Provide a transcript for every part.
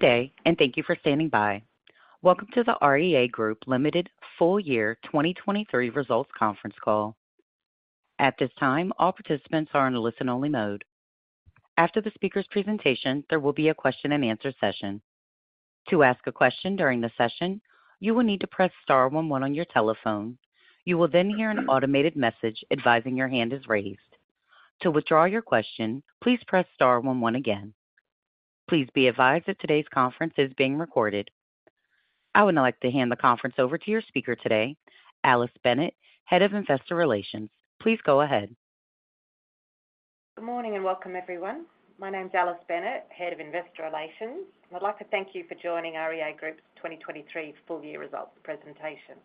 Good day, and thank you for standing by. Welcome to the REA Group Limited Full Year 2023 Results Conference Call. At this time, all participants are in a listen-only mode. After the speaker's presentation, there will be a question and answer session. To ask a question during the session, you will need to press star 11 on your telephone. You will then hear an automated message advising your hand is raised. To withdraw your question, please press star 11 again. Please be advised that today's conference is being recorded. I would now like to hand the conference over to your speaker today, Alice Bennett, Head of Investor Relations. Please go ahead. Good morning, welcome, everyone. My name's Alice Bennett, Head of Investor Relations, and I'd like to thank you for joining REA Group's 2023 full year results presentation.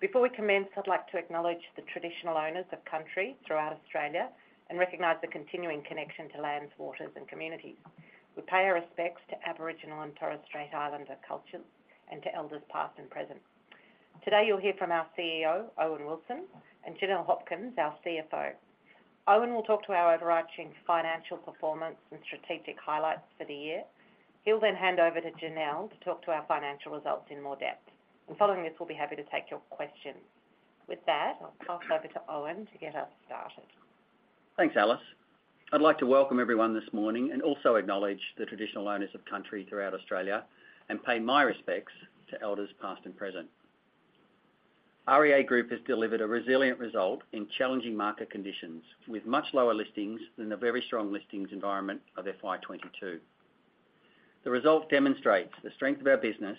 Before we commence, I'd like to acknowledge the traditional owners of country throughout Australia and recognize the continuing connection to lands, waters, and communities. We pay our respects to Aboriginal and Torres Strait Islander cultures and to elders, past and present. Today, you'll hear from our CEO, Owen Wilson, and Janelle Hopkins, our CFO. Owen will talk to our overarching financial performance and strategic highlights for the year. He'll then hand over to Janelle to talk to our financial results in more depth, and following this, we'll be happy to take your questions. With that, I'll pass over to Owen to get us started. Thanks, Alice. I'd like to welcome everyone this morning and also acknowledge the traditional owners of country throughout Australia and pay my respects to elders, past and present. REA Group has delivered a resilient result in challenging market conditions, with much lower listings than the very strong listings environment of FY2022. The result demonstrates the strength of our business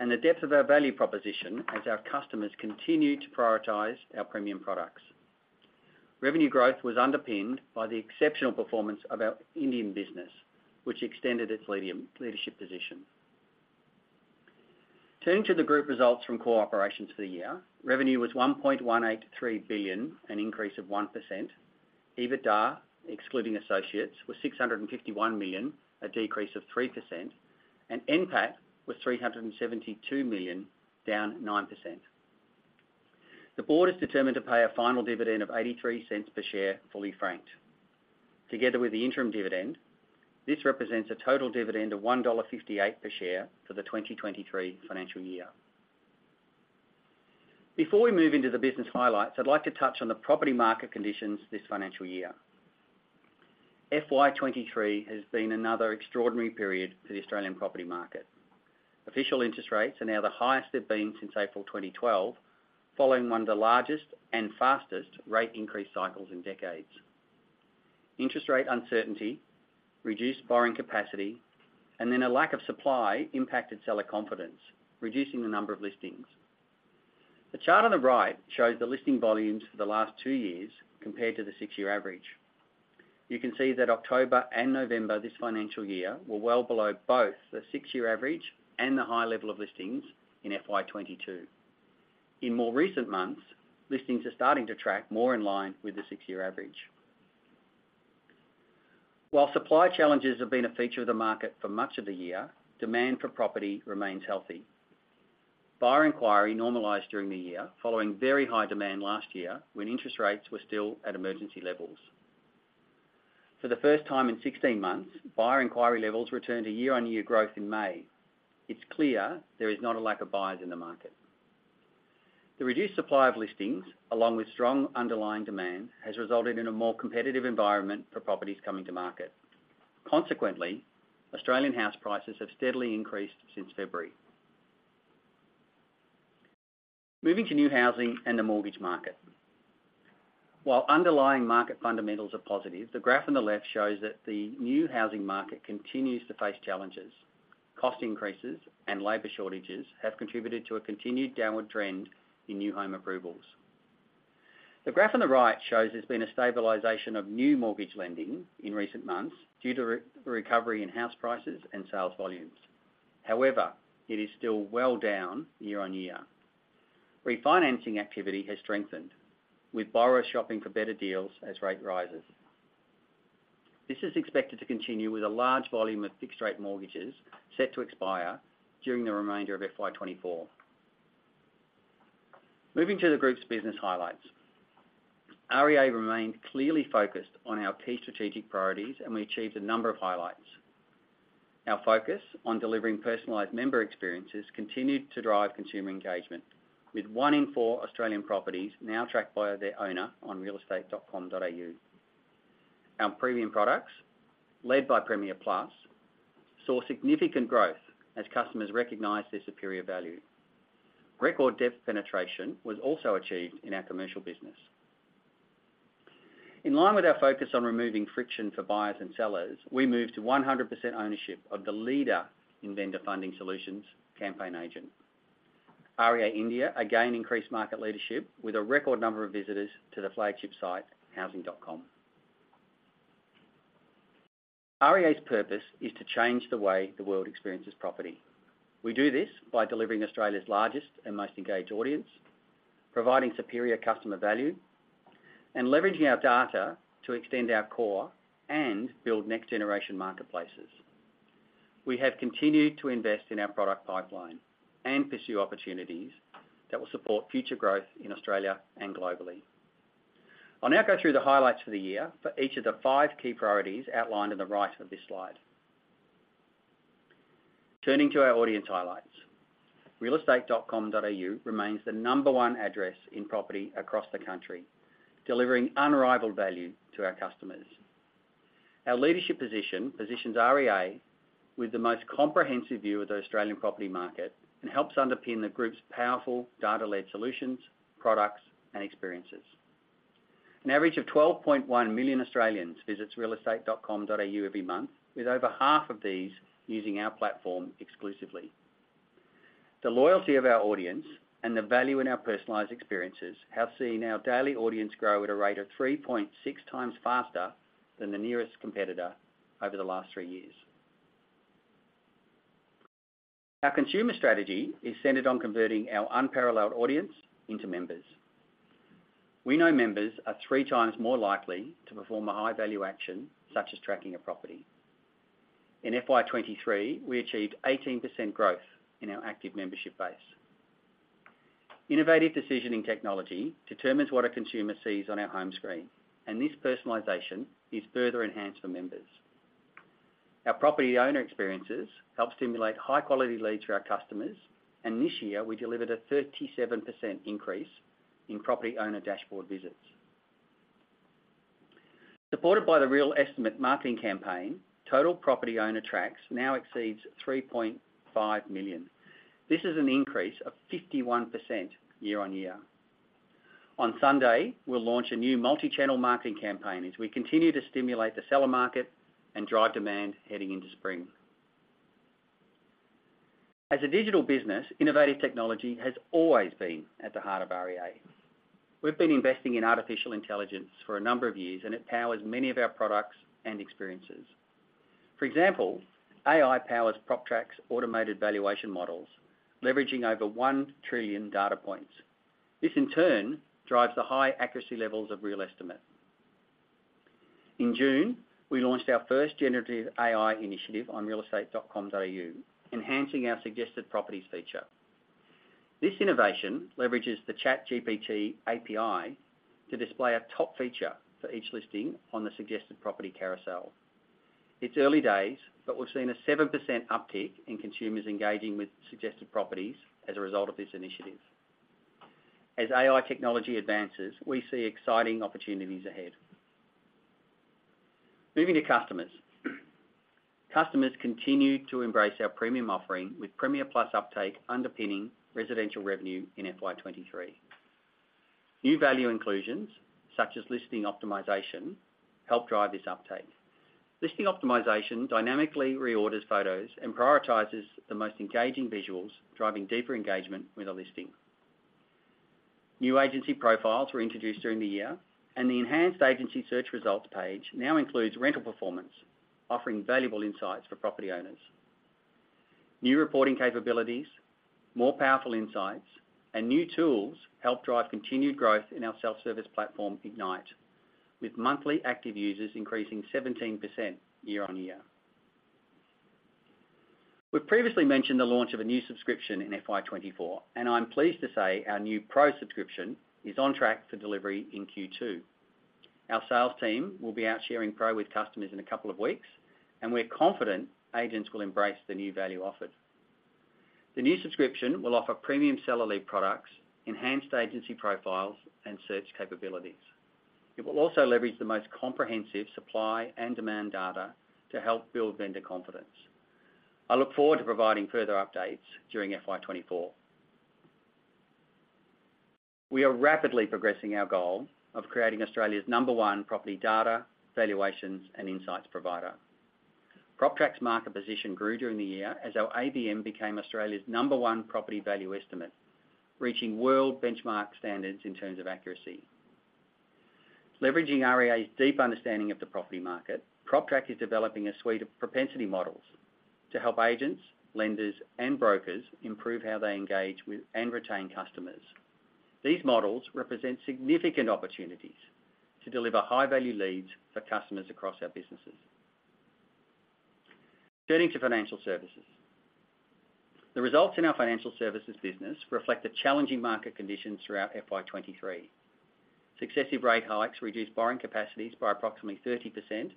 and the depth of our value proposition as our customers continue to prioritize our premium products. Revenue growth was underpinned by the exceptional performance of our Indian business, which extended its leadership position. Turning to the group results from core operations for the year, revenue was 1.183 billion, an increase of 1%. EBITDA, excluding associates, was 651 million, a decrease of 3%, and NPAT was 372 million, down 9%. The board is determined to pay a final dividend of 0.83 per share, fully franked. Together with the interim dividend, this represents a total dividend of 1.58 dollar per share for the FY23 financial year. Before we move into the business highlights, I'd like to touch on the property market conditions this financial year. FY23 has been another extraordinary period for the Australian property market. Official interest rates are now the highest they've been since April 2012, following one of the largest and fastest rate increase cycles in decades. Interest rate uncertainty, reduced borrowing capacity, a lack of supply impacted seller confidence, reducing the number of listings. The chart on the right shows the listing volumes for the last two years compared to the six-year average. You can see that October and November this financial year were well below both the six-year average and the high level of listings in FY22. In more recent months, listings are starting to track more in line with the six-year average. While supply challenges have been a feature of the market for much of the year, demand for property remains healthy. Buyer inquiry normalized during the year, following very high demand last year, when interest rates were still at emergency levels. For the first time in 16 months, buyer inquiry levels returned to year-on-year growth in May. It's clear there is not a lack of buyers in the market. The reduced supply of listings, along with strong underlying demand, has resulted in a more competitive environment for properties coming to market. Consequently, Australian house prices have steadily increased since February. Moving to new housing and the mortgage market. While underlying market fundamentals are positive, the graph on the left shows that the new housing market continues to face challenges. Cost increases and labor shortages have contributed to a continued downward trend in new home approvals. The graph on the right shows there's been a stabilization of new mortgage lending in recent months due to recovery in house prices and sales volumes. However, it is still well down year-on-year. Refinancing activity has strengthened, with borrowers shopping for better deals as rate rises. This is expected to continue with a large volume of fixed-rate mortgages set to expire during the remainder of FY24. Moving to the group's business highlights. REA remained clearly focused on our key strategic priorities, and we achieved a number of highlights. Our focus on delivering personalized member experiences continued to drive consumer engagement, with one in four Australian properties now tracked by their owner on realestate.com.au. Our premium products, led by Premier Plus, saw significant growth as customers recognized their superior value. Record depth penetration was also achieved in our commercial business. In line with our focus on removing friction for buyers and sellers, we moved to 100% ownership of the leader in vendor funding solutions, Campaign Agent. REA India again increased market leadership with a record number of visitors to the flagship site, housing.com. REA's purpose is to change the way the world experiences property. We do this by delivering Australia's largest and most engaged audience, providing superior customer value, and leveraging our data to extend our core and build next-generation marketplaces. We have continued to invest in our product pipeline and pursue opportunities that will support future growth in Australia and globally. I'll now go through the highlights for the year for each of the five key priorities outlined on the right of this slide. Turning to our audience highlights. Realestate.com.au remains the number one address in property across the country, delivering unrivaled value to our customers. Our leadership position, positions REA with the most comprehensive view of the Australian property market and helps underpin the group's powerful data-led solutions, products, and experiences. An average of 12.1 million Australians visits realestate.com.au every month, with over half of these using our platform exclusively. The loyalty of our audience and the value in our personalized experiences have seen our daily audience grow at a rate of 3.6 times faster than the nearest competitor over the last three years. Our consumer strategy is centered on converting our unparalleled audience into members. We know members are three times more likely to perform a high-value action, such as tracking a property. In FY2023, we achieved 18% growth in our active membership base. Innovative decisioning technology determines what a consumer sees on our home screen, and this personalization is further enhanced for members. Our property owner experiences help stimulate high-quality leads for our customers, and this year, we delivered a 37% increase in property owner dashboard visits. Supported by the RealEstimate marketing campaign, total property owner tracks now exceeds 3.5 million. This is an increase of 51% year on year. On Sunday, we'll launch a new multi-channel marketing campaign as we continue to stimulate the seller market and drive demand heading into spring. As a digital business, innovative technology has always been at the heart of REA. We've been investing in artificial intelligence for a number of years, and it powers many of our products and experiences. For example, AI powers PropTrack's automated valuation models, leveraging over 1 trillion data points. This, in turn, drives the high accuracy levels of RealEstimate. In June, we launched our first generative AI initiative on realestate.com.au, enhancing our suggested properties feature. This innovation leverages the ChatGPT API to display a top feature for each listing on the suggested property carousel. It's early days, but we've seen a 7% uptick in consumers engaging with suggested properties as a result of this initiative. As AI technology advances, we see exciting opportunities ahead. Moving to customers. Customers continue to embrace our premium offering, with Premier Plus uptake underpinning residential revenue in FY2023. New value inclusions, such as listing optimization, help drive this uptake. Listing optimization dynamically reorders photos and prioritizes the most engaging visuals, driving deeper engagement with a listing. New agency profiles were introduced during the year, and the enhanced agency search results page now includes rental performance, offering valuable insights for property owners. New reporting capabilities, more powerful insights, and new tools help drive continued growth in our self-service platform, Ignite, with monthly active users increasing 17% year-on-year. We've previously mentioned the launch of a new subscription in FY 2024, and I'm pleased to say our new Pro subscription is on track for delivery in Q2. Our sales team will be out sharing Pro with customers in a couple of weeks, and we're confident agents will embrace the new value offered. The new subscription will offer premium seller lead products, enhanced agency profiles, and search capabilities. It will also leverage the most comprehensive supply and demand data to help build vendor confidence. I look forward to providing further updates during FY24. We are rapidly progressing our goal of creating Australia's number one property data, valuations, and insights provider. PropTrack's market position grew during the year as our ABM became Australia's number one property value estimate, reaching world benchmark standards in terms of accuracy. Leveraging REA's deep understanding of the property market, PropTrack is developing a suite of propensity models to help agents, lenders, and brokers improve how they engage with and retain customers. These models represent significant opportunities to deliver high-value leads for customers across our businesses. Turning to financial services. The results in our financial services business reflect the challenging market conditions throughout FY23. Successive rate hikes reduced borrowing capacities by approximately 30%,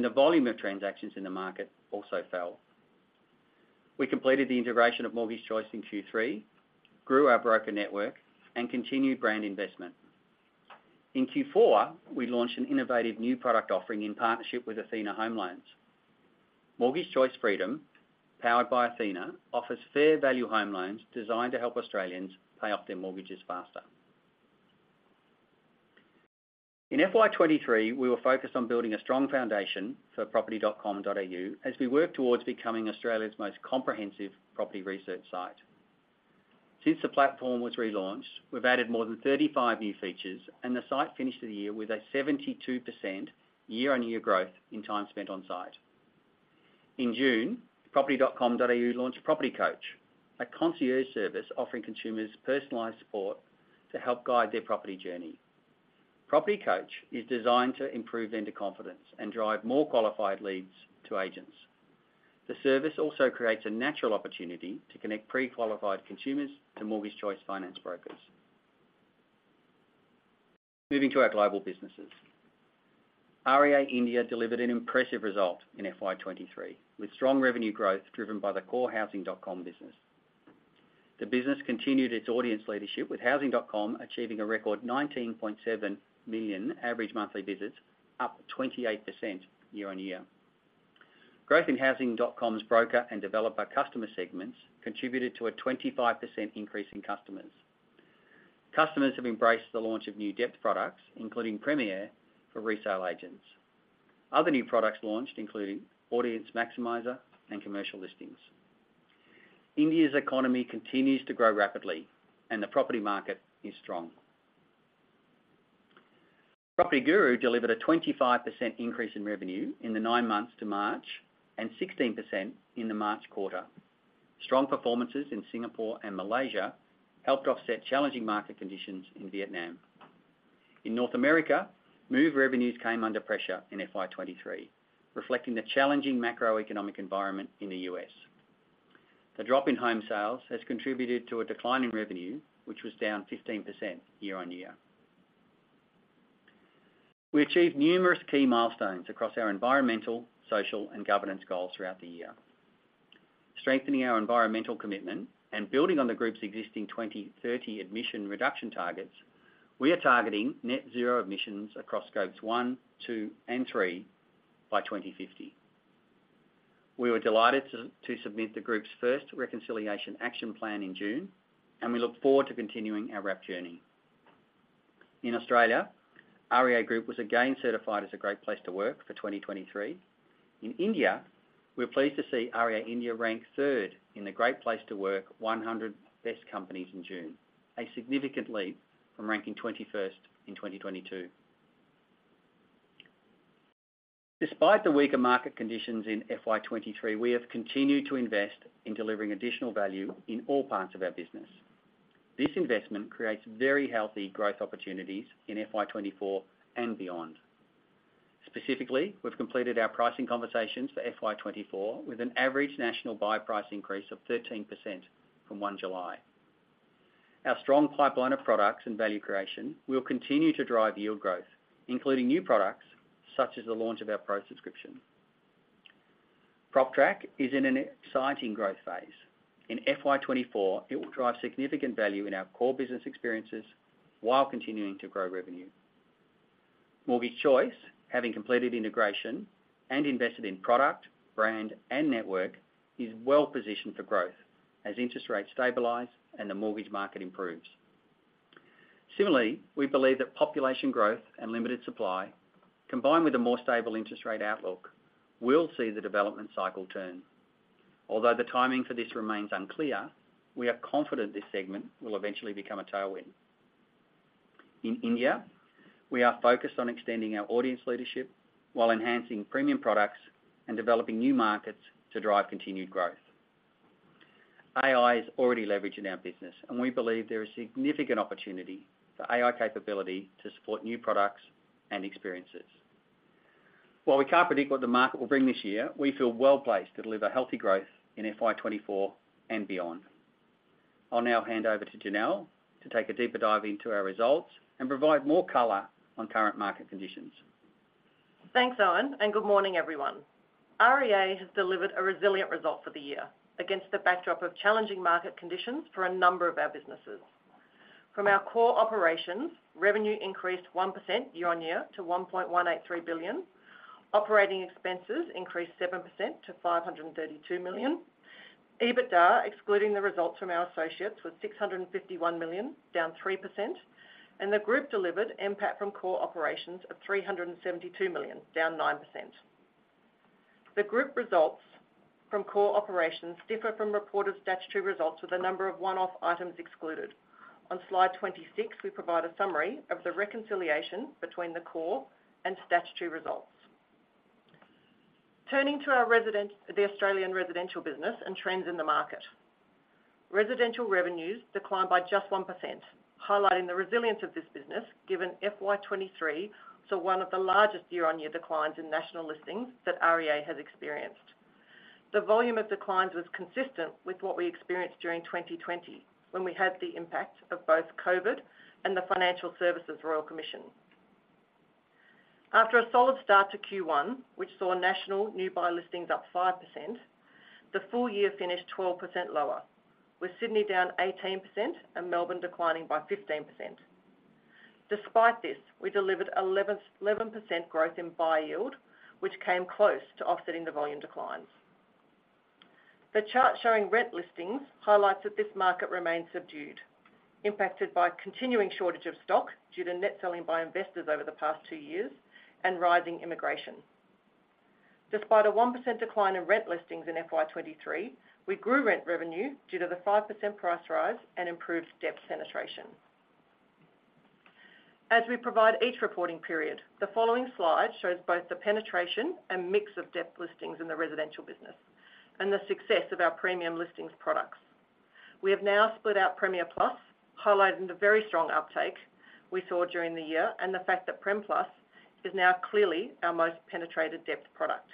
the volume of transactions in the market also fell. We completed the integration of Mortgage Choice in Q3, grew our broker network, continued brand investment. In Q4, we launched an innovative new product offering in partnership with Athena Home Loans. Mortgage Choice Freedom, powered by Athena, offers fair value home loans designed to help Australians pay off their mortgages faster. In FY23, we were focused on building a strong foundation for property.com.au as we work towards becoming Australia's most comprehensive property research site. Since the platform was relaunched, we've added more than 35 new features, the site finished the year with a 72% year-on-year growth in time spent on site. In June, property.com.au launched Property Coach, a concierge service offering consumers personalized support to help guide their property journey. Property Coach is designed to improve vendor confidence and drive more qualified leads to agents. The service also creates a natural opportunity to connect pre-qualified consumers to Mortgage Choice finance brokers. Moving to our global businesses. REA India delivered an impressive result in FY2023, with strong revenue growth driven by the core housing.com business. The business continued its audience leadership, with housing.com achieving a record 19.7 million average monthly visits, up 28% year-on-year. Growth in housing.com's broker and developer customer segments contributed to a 25% increase in customers. Customers have embraced the launch of new depth products, including Premier, for resale agents. Other new products launched include Audience Maximizer and Commercial Listings. India's economy continues to grow rapidly, and the property market is strong. PropertyGuru delivered a 25% increase in revenue in the nine months to March, and 16% in the March quarter. Strong performances in Singapore and Malaysia helped offset challenging market conditions in Vietnam. In North America, Move revenues came under pressure in FY23, reflecting the challenging macroeconomic environment in the U.S. The drop in home sales has contributed to a decline in revenue, which was down 15% year-on-year. We achieved numerous key milestones across our Environmental, Social and Governance goals throughout the year. Strengthening our environmental commitment and building on the group's existing 2030 emission reduction targets, we are targeting net zero emissions across Scope one, two and three by 2050. We were delighted to submit the group's first Reconciliation Action Plan in June, and we look forward to continuing our RAP journey. In Australia, REA Group was again certified as a Great Place to Work for 2023. In India, we're pleased to see REA India ranked third in the Great Place to Work 100 Best Companies in June, a significant leap from ranking 21st in 2022. Despite the weaker market conditions in FY 2023, we have continued to invest in delivering additional value in all parts of our business. This investment creates very healthy growth opportunities in FY 2024 and beyond. Specifically, we've completed our pricing conversations for FY 2024, with an average national buy price increase of 13% from 1 July. Our strong pipeline of products and value creation will continue to drive yield growth, including new products such as the launch of our Pro subscription. PropTrack is in an exciting growth phase. In FY 2024, it will drive significant value in our core business experiences while continuing to grow revenue. Mortgage Choice, having completed integration and invested in product, brand, and network, is well positioned for growth as interest rates stabilize and the mortgage market improves. Similarly, we believe that population growth and limited supply, combined with a more stable interest rate outlook, will see the development cycle turn. Although the timing for this remains unclear, we are confident this segment will eventually become a tailwind. In India, we are focused on extending our audience leadership while enhancing premium products and developing new markets to drive continued growth. AI is already leveraged in our business, and we believe there is significant opportunity for AI capability to support new products and experiences. While we can't predict what the market will bring this year, we feel well-placed to deliver healthy growth in FY 2024 and beyond. I'll now hand over to Janelle to take a deeper dive into our results and provide more color on current market conditions. Thanks, Owen, and good morning, everyone. REA has delivered a resilient result for the year against the backdrop of challenging market conditions for a number of our businesses. From our core operations, revenue increased 1% year-on-year to 1.183 billion. Operating expenses increased 7% to 532 million. EBITDA, excluding the results from our associates, was 651 million, down 3%. The group delivered NPAT from core operations of 372 million, down 9%. The group results from core operations differ from reported statutory results, with a number of one-off items excluded. On Slide 26, we provide a summary of the reconciliation between the core and statutory results. Turning to the Australian residential business and trends in the market. Residential revenues declined by just 1%, highlighting the resilience of this business, given FY2023 saw one of the largest year-on-year declines in national listings that REA has experienced. The volume of declines was consistent with what we experienced during 2020, when we had the impact of both COVID and the Financial Services Royal Commission. After a solid start to Q1, which saw national new buy listings up 5%, the full year finished 12% lower, with Sydney down 18% and Melbourne declining by 15%. Despite this, we delivered 11% growth in buy yield, which came close to offsetting the volume declines. The chart showing rent listings highlights that this market remains subdued, impacted by continuing shortage of stock due to net selling by investors over the past two years and rising immigration. Despite a 1% decline in rent listings in FY23, we grew rent revenue due to the 5% price rise and improved depth penetration. As we provide each reporting period, the following slide shows both the penetration and mix of depth listings in the residential business and the success of our premium listings products. We have now split out Premier Plus, highlighting the very strong uptake we saw during the year, and the fact that Prem Plus is now clearly our most penetrated depth product.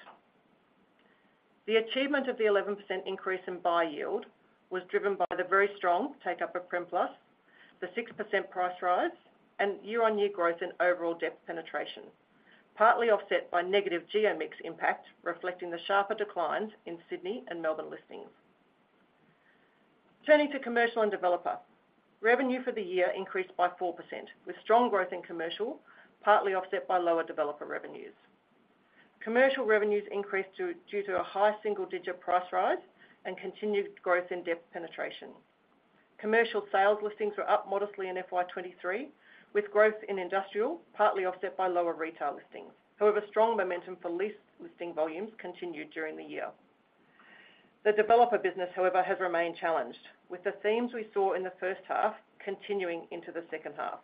The achievement of the 11% increase in buy yield was driven by the very strong take up of Prem Plus, the 6% price rise, and year-on-year growth in overall depth penetration, partly offset by negative Geo mix impact, reflecting the sharper declines in Sydney and Melbourne listings. Turning to commercial and developer. Revenue for the year increased by 4%, with strong growth in commercial, partly offset by lower developer revenues. Commercial revenues increased due to a high single digit price rise and continued growth in depth penetration. Commercial sales listings were up modestly in FY23, with growth in industrial partly offset by lower retail listings. Strong momentum for lease listing volumes continued during the year. The developer business, however, has remained challenged, with the themes we saw in the first half continuing into the second half,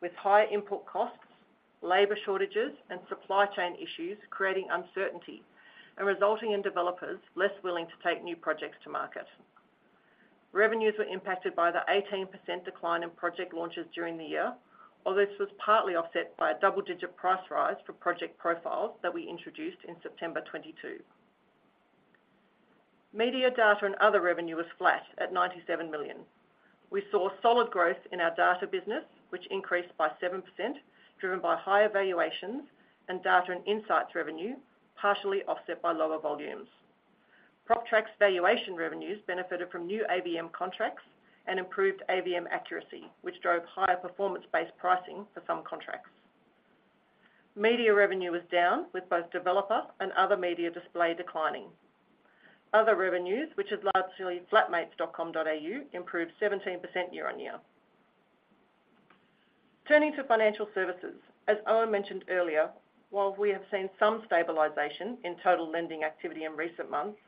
with higher input costs, labor shortages, and supply chain issues creating uncertainty and resulting in developers less willing to take new projects to market. Revenues were impacted by the 18% decline in project launches during the year, although this was partly offset by a double-digit price rise for project profiles that we introduced in September 2022. Media, data, and other revenue was flat at 97 million. We saw solid growth in our data business, which increased by 7%, driven by higher valuations and data and insights revenue, partially offset by lower volumes. PropTrack's valuation revenues benefited from new ABM contracts and improved ABM accuracy, which drove higher performance-based pricing for some contracts. Media revenue was down, with both developer and other media display declining. Other revenues, which is largely flatmates.com.au, improved 17% year-on-year. Turning to financial services. As Owen mentioned earlier, while we have seen some stabilization in total lending activity in recent months,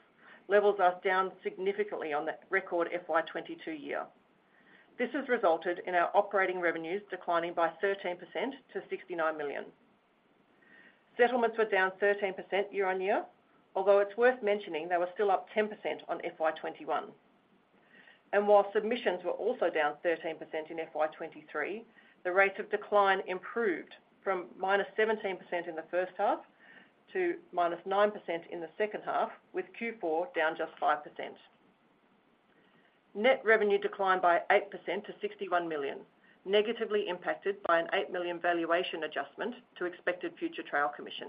levels are down significantly on that record FY22 year. This has resulted in our operating revenues declining by 13% to 69 million. Settlements were down 13% year-on-year, although it's worth mentioning they were still up 10% on FY21. While submissions were also down 13% in FY2023, the rate of decline improved from -17% in the first half to -9% in the second half, with Q4 down just 5%. Net revenue declined by 8% to 61 million, negatively impacted by an 8 million valuation adjustment to expected future trail commission.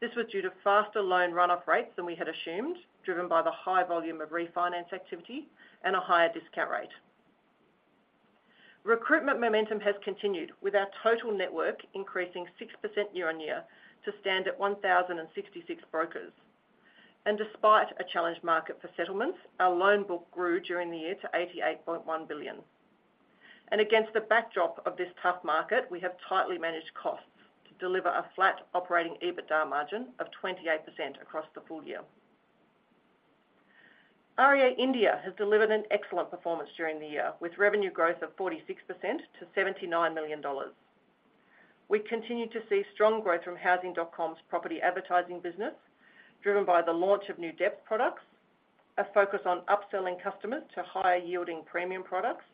This was due to faster loan run-off rates than we had assumed, driven by the high volume of refinance activity and a higher discount rate. Recruitment momentum has continued, with our total network increasing 6% year-on-year to stand at 1,066 brokers. Despite a challenged market for settlements, our loan book grew during the year to 88.1 billion. Against the backdrop of this tough market, we have tightly managed costs to deliver a flat operating EBITDA margin of 28% across the full year. REA India has delivered an excellent performance during the year, with revenue growth of 46% to 79 million dollars. We continued to see strong growth from housing.com's property advertising business, driven by the launch of new depth products, a focus on upselling customers to higher-yielding premium products,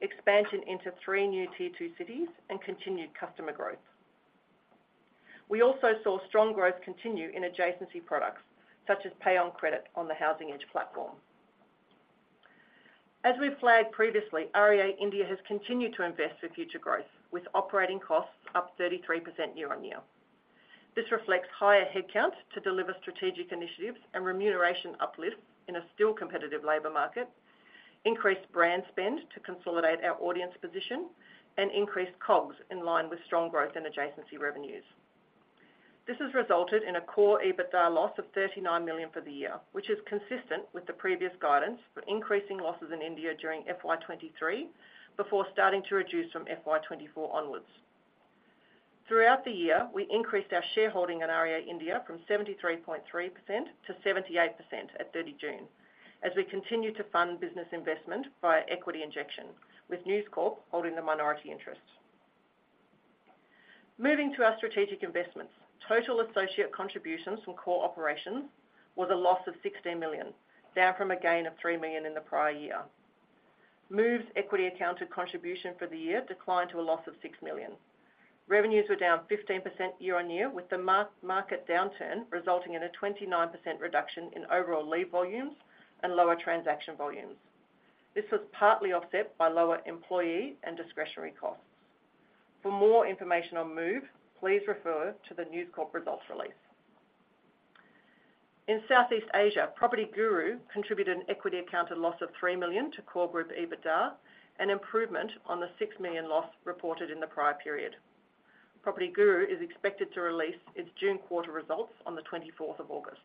expansion into three new tier two cities, and continued customer growth. We also saw strong growth continue in adjacency products, such as pay on credit on the Housing Edge platform. As we flagged previously, REA India has continued to invest for future growth, with operating costs up 33% year-on-year. This reflects higher headcounts to deliver strategic initiatives and remuneration uplifts in a still competitive labor market, increased brand spend to consolidate our audience position, and increased COGS in line with strong growth in adjacency revenues. This has resulted in a core EBITDA loss of 39 million for the year, which is consistent with the previous guidance for increasing losses in India during FY 2023, before starting to reduce from FY 2024 onwards. Throughout the year, we increased our shareholding in REA India from 73.3% to 78% at 30 June, as we continued to fund business investment via equity injection, with News Corp holding the minority interest. Moving to our strategic investments. Total associate contributions from core operations was a loss of 16 million, down from a gain of 3 million in the prior year. Move's equity accounted contribution for the year declined to a loss of 6 million. Revenues were down 15% year-on-year, with the market downturn resulting in a 29% reduction in overall lead volumes and lower transaction volumes. This was partly offset by lower employee and discretionary costs. For more information on Move, please refer to the News Corp results release. In Southeast Asia, PropertyGuru contributed an equity accounted loss of 3 million to core group EBITDA, an improvement on the 6 million loss reported in the prior period. PropertyGuru is expected to release its June quarter results on the 24th of August.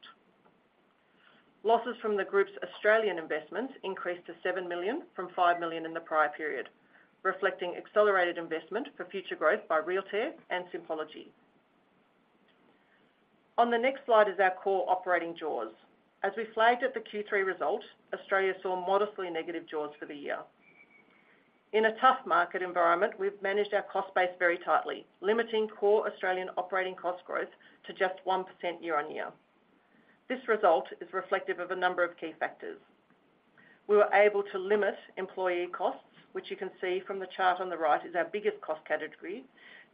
Losses from the group's Australian investments increased to 7 million from 5 million in the prior period, reflecting accelerated investment for future growth by Realtair and Simpology. On the next slide is our core operating JAWs. As we flagged at the Q3 result, Australia saw modestly negative JAWs for the year. In a tough market environment, we've managed our cost base very tightly, limiting core Australian operating cost growth to just 1% year-on-year. This result is reflective of a number of key factors. We were able to limit employee costs, which you can see from the chart on the right, is our biggest cost category,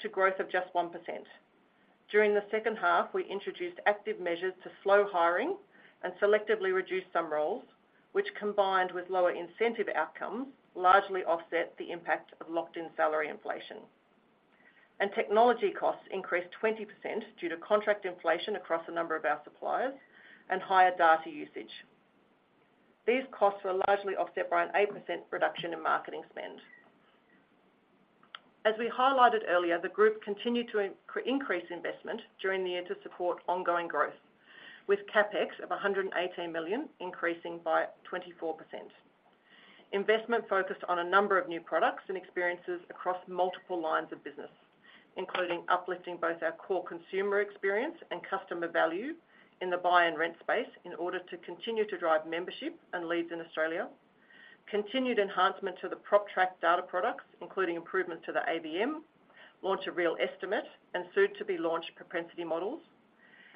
to growth of just 1%. During the second half, we introduced active measures to slow hiring and selectively reduce some roles, which, combined with lower incentive outcomes, largely offset the impact of locked-in salary inflation. Technology costs increased 20% due to contract inflation across a number of our suppliers and higher data usage. These costs were largely offset by an 8% reduction in marketing spend. As we highlighted earlier, the group continued to increase investment during the year to support ongoing growth, with CapEx of 118 million, increasing by 24%. Investment focused on a number of new products and experiences across multiple lines of business, including uplifting both our core consumer experience and customer value in the buy and rent space in order to continue to drive membership and leads in Australia. Continued enhancement to the PropTrack data products, including improvements to the ABM, launch a RealEstimate, and soon-to-be-launched propensity models,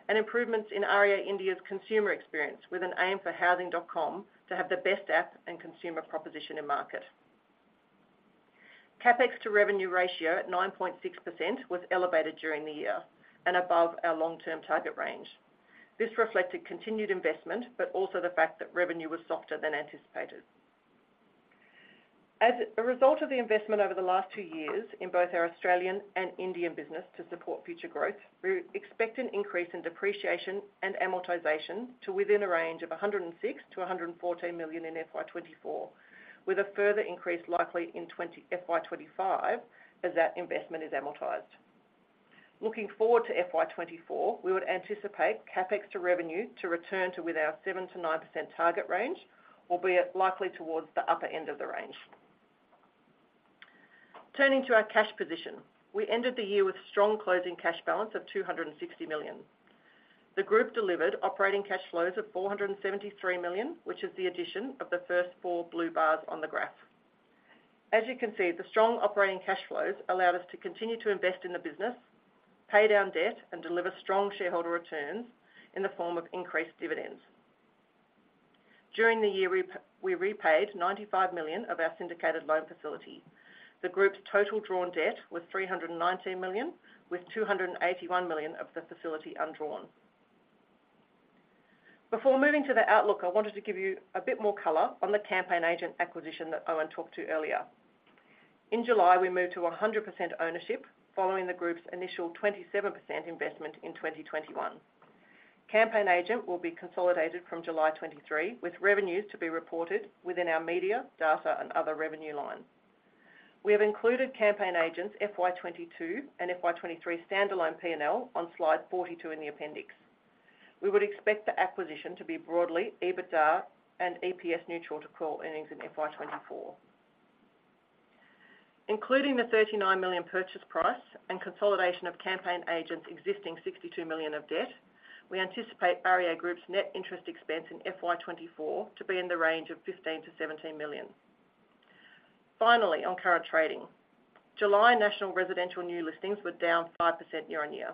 and improvements in REA India's consumer experience, with an aim for housing.com to have the best app and consumer proposition in market. CapEx to revenue ratio at 9.6% was elevated during the year and above our long-term target range. This reflected continued investment, but also the fact that revenue was softer than anticipated. As a result of the investment over the last two years in both our Australian and Indian business to support future growth, we expect an increase in depreciation and amortization to within a range of 106 million-114 million in FY2024, with a further increase likely in FY2025, as that investment is amortized. Looking forward to FY2024, we would anticipate CapEx to revenue to return to with our 7%-9% target range, albeit likely towards the upper end of the range. Turning to our cash position, we ended the year with strong closing cash balance of 260 million. The group delivered operating cash flows of 473 million, which is the addition of the first four blue bars on the graph. As you can see, the strong operating cash flows allowed us to continue to invest in the business, pay down debt, and deliver strong shareholder returns in the form of increased dividends. During the year, we repaid 95 million of our syndicated loan facility. The group's total drawn debt was 319 million, with 281 million of the facility undrawn. Before moving to the outlook, I wanted to give you a bit more color on the Campaign Agent acquisition that Owen talked to earlier. In July, we moved to 100% ownership, following the group's initial 27% investment in 2021. Campaign Agent will be consolidated from July 2023, with revenues to be reported within our media, data, and other revenue lines. We have included Campaign Agent's FY22 and FY23 standalone P&L on slide 42 in the appendix. We would expect the acquisition to be broadly, EBITDA and EPS neutral to core earnings in FY2024. Including the 39 million purchase price and consolidation of Campaign Agent's existing 62 million of debt, we anticipate REA Group's net interest expense in FY2024 to be in the range of 15 million-17 million. Finally, on current trading. July national residential new listings were down 5% year-on-year,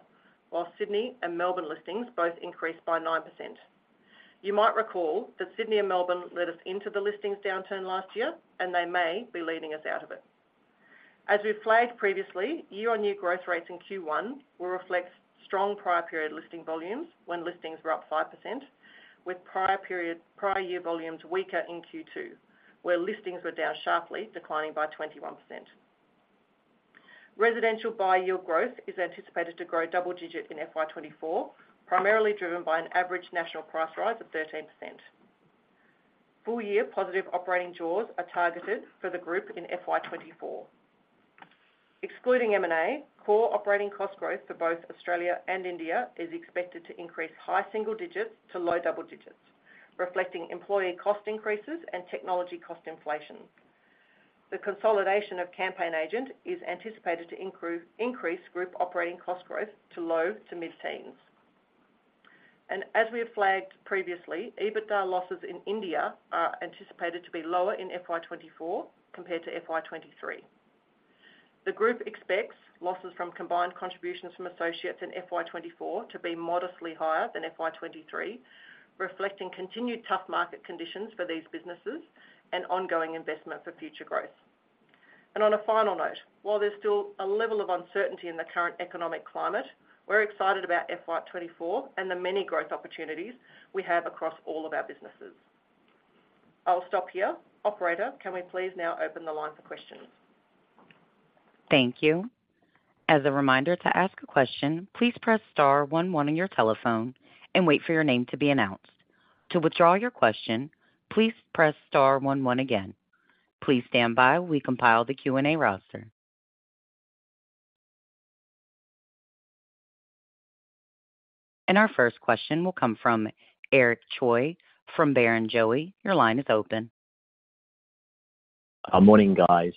while Sydney and Melbourne listings both increased by 9%. You might recall that Sydney and Melbourne led us into the listings downturn last year, and they may be leading us out of it. As we flagged previously, year-on-year growth rates in Q1 will reflect strong prior period listing volumes when listings were up 5%, with prior period, prior year volumes weaker in Q2, where listings were down sharply, declining by 21%. Residential buy yield growth is anticipated to grow double-digit in FY 2024, primarily driven by an average national price rise of 13%. Full year positive operating jaws are targeted for the group in FY 2024. Excluding M&A, core operating cost growth for both Australia and India is expected to increase high single digits to low double digits, reflecting employee cost increases and technology cost inflation. The consolidation of Campaign Agent is anticipated to increase group operating cost growth to low to mid-teens. As we have flagged previously, EBITDA losses in India are anticipated to be lower in FY 2024 compared to FY 2023. The group expects losses from combined contributions from associates in FY 2024 to be modestly higher than FY 2023, reflecting continued tough market conditions for these businesses and ongoing investment for future growth. On a final note, while there's still a level of uncertainty in the current economic climate, we're excited about FY 2024 and the many growth opportunities we have across all of our businesses. I'll stop here. Operator, can we please now open the line for questions? Thank you. As a reminder to ask a question, please press star 1 1 on your telephone and wait for your name to be announced. To withdraw your question, please press star 1 1 again. Please stand by while we compile the Q&A roster. Our first question will come from Eric Choi from Barrenjoey. Your line is open. Morning, guys,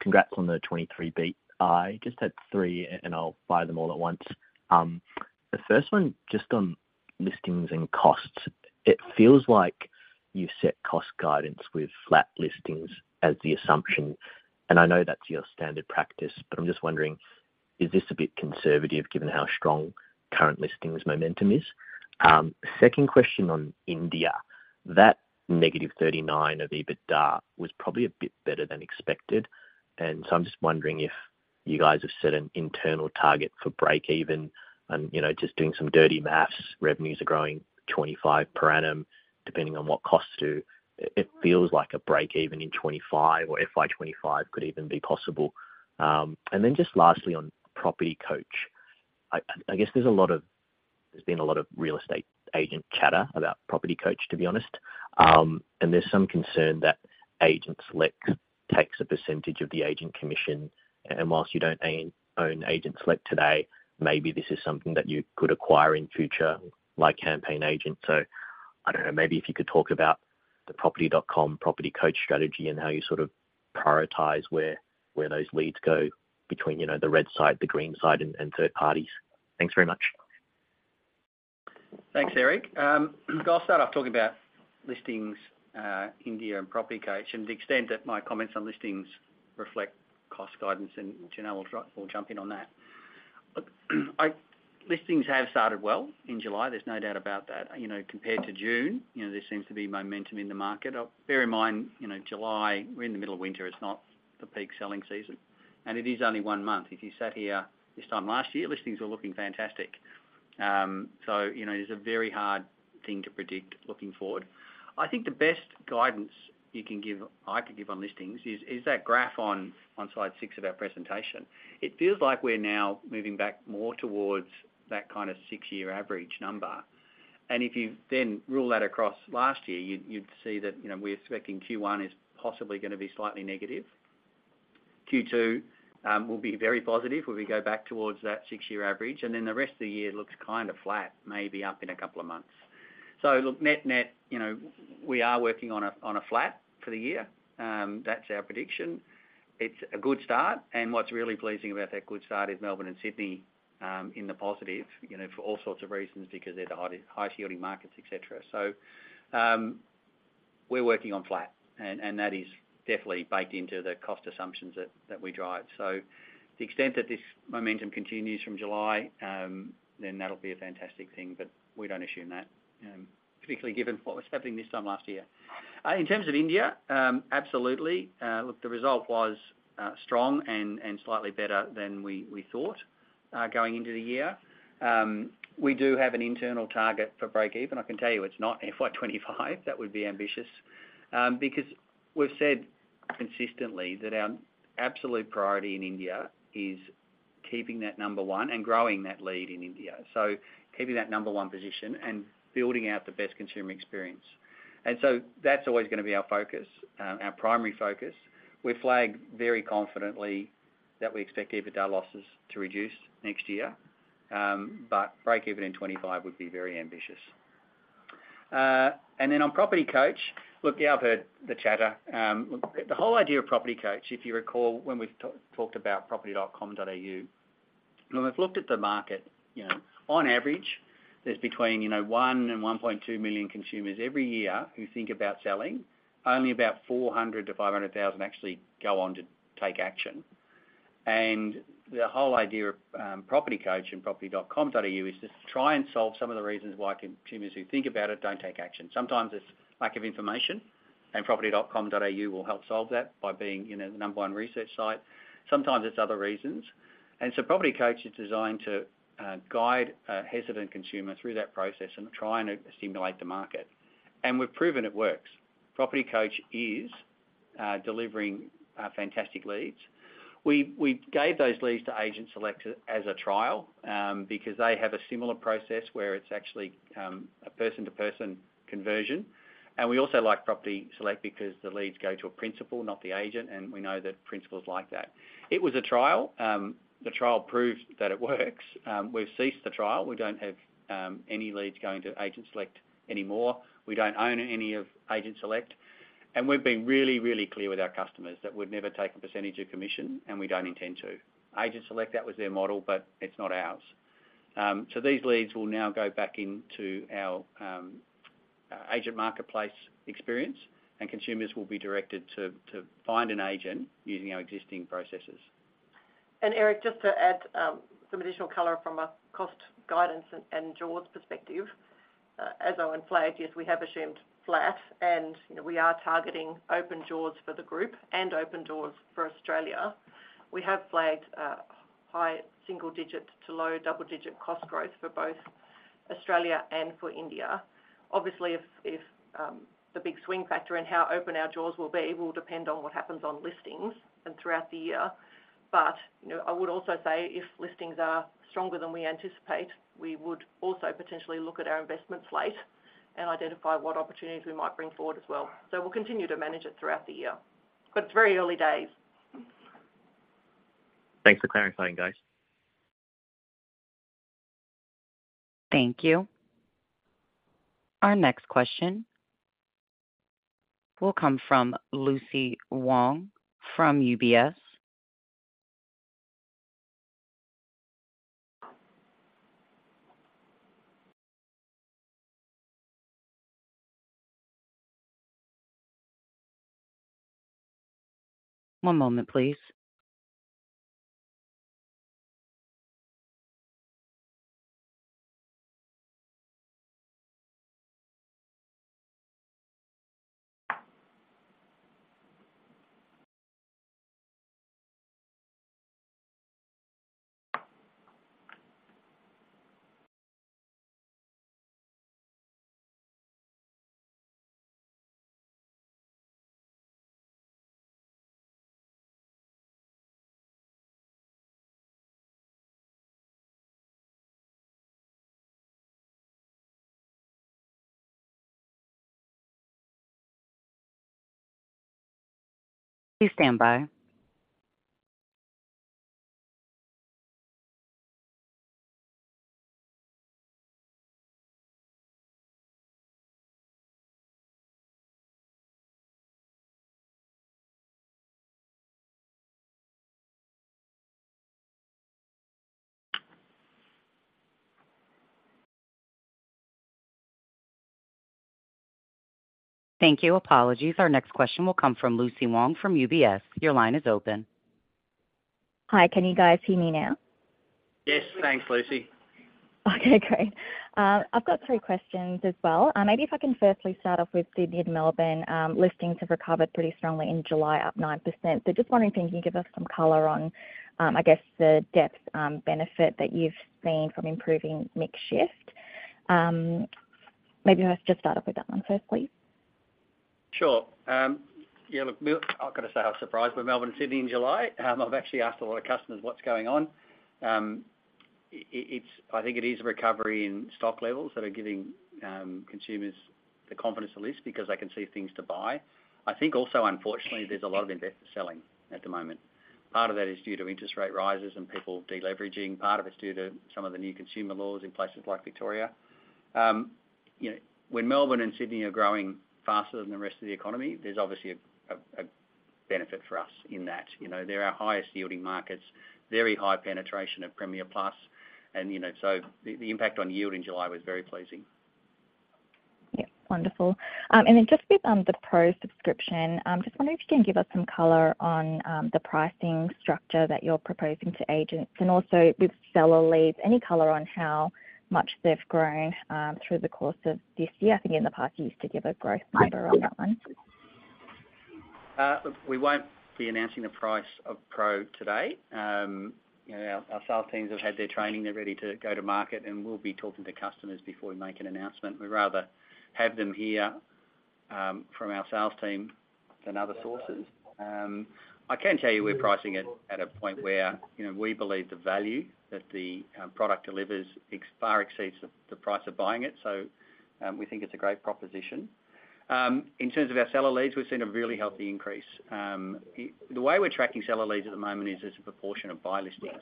congrats on the 23 beat. I just had three, and I'll fire them all at once. The first one, just on- ..listings and costs. It feels like you've set cost guidance with flat listings as the assumption, and I know that's your standard practice, but I'm just wondering, is this a bit conservative given how strong current listings momentum is? Second question on India. That -39 of EBITDA was probably a bit better than expected, so I'm just wondering if you guys have set an internal target for breakeven? You know, just doing some dirty maths, revenues are growing 25% per annum, depending on what costs do. It, it feels like a breakeven in 2025 or FY2025 could even be possible. Then just lastly, on Property Coach. I, I guess there's a lot of- there's been a lot of real estate agent chatter about Property Coach, to be honest. There's some concern that Agent Select takes a percentage of the agent commission, and whilst you don't own, own Agent Select today, maybe this is something that you could acquire in future, like Campaign Agent. I don't know, maybe if you could talk about the property.com.au Property Coach strategy and how you sort of prioritize where, where those leads go between, you know, the red side, the green side, and, and third parties. Thanks very much. Thanks, Eric. I'll start off talking about listings, India, and Property Coach, and the extent that my comments on listings reflect cost guidance. Janelle will jump in on that. Look, listings have started well in July, there's no doubt about that. You know, compared to June, you know, there seems to be momentum in the market. Bear in mind, you know, July, we're in the middle of winter, it's not the peak selling season. It is only one month. If you sat here this time last year, listings were looking fantastic. You know, it is a very hard thing to predict looking forward. I think the best guidance you can give, I can give on listings is that graph on slide six of our presentation. It feels like we're now moving back more towards that kind of six-year average number. If you then rule that across last year, you'd, you'd see that, you know, we're expecting Q1 is possibly gonna be slightly negative. Q2 will be very positive, where we go back towards that six-year average, and then the rest of the year looks kind of flat, maybe up in a couple of months. Look, net, you know, we are working on a, on a flat for the year. That's our prediction. It's a good start, and what's really pleasing about that good start is Melbourne and Sydney in the positive, you know, for all sorts of reasons, because they're the high, high-yielding markets, et cetera. So we're working on flat, and that is definitely baked into the cost assumptions that, that we drive. The extent that this momentum continues from July, then that'll be a fantastic thing, but we don't assume that, particularly given what was happening this time last year. In terms of India, absolutely, look, the result was strong and slightly better than we thought going into the year. We do have an internal target for breakeven. I can tell you it's not FY25, that would be ambitious. Because we've said consistently that our absolute priority in India is keeping that number one and growing that lead in India. So keeping that number 1 position and building out the best consumer experience. That's always gonna be our focus, our primary focus. We flag very confidently that we expect EBITDA losses to reduce next year. Breakeven in 25 would be very ambitious. Then on Property Coach, look, yeah, I've heard the chatter. The whole idea of Property Coach, if you recall, when we've talk- talked about property.com.au, when we've looked at the market, you know, on average, there's between, you know, one and 1.2 million consumers every year who think about selling. Only about 400,000-500,000 actually go on to take action. The whole idea of Property Coach and property.com.au is just to try and solve some of the reasons why consumers who think about it don't take action. Sometimes it's lack of information, and property.com.au will help solve that by being, you know, the number one research site. Sometimes it's other reasons. So Property Coach is designed to guide a hesitant consumer through that process and try and stimulate the market. We've proven it works. Property Coach is delivering fantastic leads. We, we gave those leads to Agent Select as a trial because they have a similar process where it's actually a person-to-person conversion. We also like Agent Select because the leads go to a principal, not the agent, and we know that principals like that. It was a trial. The trial proved that it works. We've ceased the trial. We don't have any leads going to Agent Select anymore. We don't own any of Agent Select, and we've been really, really clear with our customers that we'd never take a percentage of commission, and we don't intend to. Agent Select, that was their model, but it's not ours. These leads will now go back into our agent marketplace experience, and consumers will be directed to, to find an agent using our existing processes. Eric, just to add some additional color from a cost guidance and JAWs perspective. As Owen flagged, yes, we have assumed flat, and, you know, we are targeting open JAWs for the group and open JAWs for Australia. We have flagged high single digits to low double-digit cost growth for both Australia and for India. Obviously, if, if, the big swing factor in how open our JAWs will be, will depend on what happens on listings and throughout the year. You know, I would also say if listings are stronger than we anticipate, we would also potentially look at our investment slate and identify what opportunities we might bring forward as well. We'll continue to manage it throughout the year, but it's very early days. Thanks for clarifying, guys. Thank you. Our next question will come from Lucy Huang, from UBS. One moment, please. Please stand by. Thank you. Apologies. Our next question will come from Lucy Huang from UBS. Your line is open. Hi, can you guys hear me now? Yes, thanks, Lucy. Okay, great. I've got three questions as well. Maybe if I can firstly start off with Sydney and Melbourne. Listings have recovered pretty strongly in July, up 9%. Just wondering if you can give us some color on, I guess, the depth benefit that you've seen from improving mix shift. Maybe let's just start off with that one first, please. Sure. Yeah, look, me-- I've got to say, I was surprised by Melbourne and Sydney in July. I've actually asked a lot of customers what's going on. I-it's-- I think it is a recovery in stock levels that are giving consumers the confidence to list because they can see things to buy. I think also, unfortunately, there's a lot of invest selling at the moment. Part of that is due to interest rate rises and people deleveraging. Part of it's due to some of the new consumer laws in places like Victoria. You know, when Melbourne and Sydney are growing faster than the rest of the economy, there's obviously a, a, a benefit for us in that. You know, they're our highest-yielding markets, very high penetration of Premier Plus. You know, so the, the impact on yield in July was very pleasing. Yeah, wonderful. Then just with the Pro subscription, just wondering if you can give us some color on the pricing structure that you're proposing to agents? Also, with seller leads, any color on how much they've grown through the course of this year? I think in the past, you used to give a growth number on that one. We won't be announcing the price of Pro today. You know, our, our sales teams have had their training. They're ready to go to market. We'll be talking to customers before we make an announcement. We'd rather have them hear from our sales team than other sources. I can tell you we're pricing it at a point where, you know, we believe the value that the product delivers far exceeds the price of buying it, so, we think it's a great proposition. In terms of our seller leads, we've seen a really healthy increase. The way we're tracking seller leads at the moment is as a proportion of buyer listings,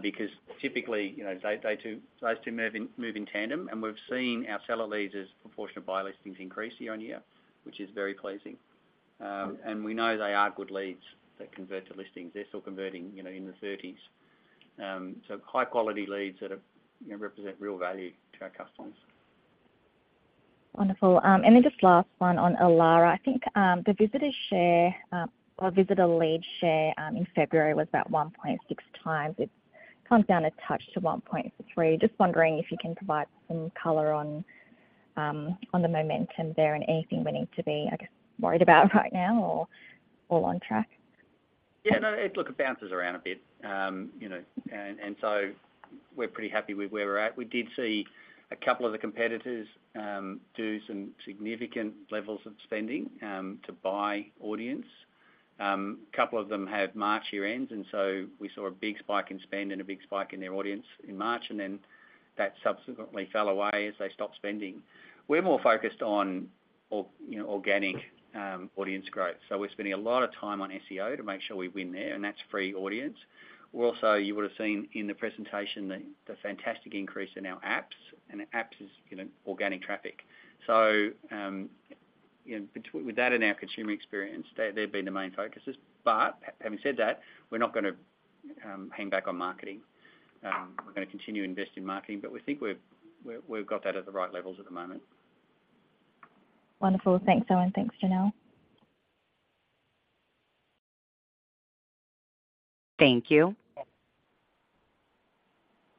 because typically, you know, they, they two, those two move in, move in tandem. We've seen our seller leads as a proportion of buyer listings increase year-on-year, which is very pleasing. We know they are good leads that convert to listings. They're still converting, you know, in the 30s. High quality leads that are, you know, represent real value to our customers. Wonderful. Just last one on Elara. I think, the visitor share, or visitor lead share, in February was about 1.6 times. It's come down a touch to 1.3. Just wondering if you can provide some color on the momentum there, and anything we need to be, I guess, worried about right now or all on track? Yeah, no, it look, it bounces around a bit. You know, and so we're pretty happy with where we're at. We did see a couple of the competitors do some significant levels of spending to buy audience. A couple of them have March year ends, and so we saw a big spike in spend and a big spike in their audience in March, and then that subsequently fell away as they stopped spending. We're more focused on or, you know, organic audience growth, so we're spending a lot of time on SEO to make sure we win there, and that's free audience. We're also, you would have seen in the presentation the, the fantastic increase in our apps, and apps is, you know, organic traffic. You know, with that and our consumer experience, they, they've been the main focuses. Having said that, we're not gonna hang back on marketing. We're gonna continue to invest in marketing, but we think we've got that at the right levels at the moment. Wonderful. Thanks, Owen. Thanks, Janelle. Thank you.